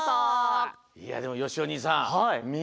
いやでもよしおにいさん。